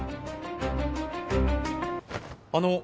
あの。